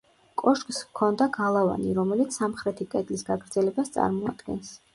კოშკს ჰქონდა გალავანი, რომელიც სამხრეთი კედლის გაგრძელებას წარმოადგენს.